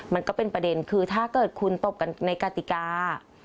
มันก็เป็นประเด็นคือถ้าเกิดคุณตบกันในกติกา